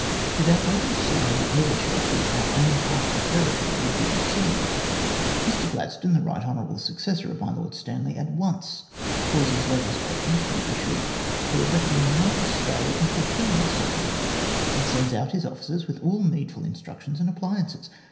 Without waiting to see how the overture to our own part of the territory would be received, Mr Gladstone, the Bight Honourable successor of my Lord Stanley, at once causes letters patent to be issued for erecting North Australia into a penal settlement, and sends out his officers with all needful instructions and appliances.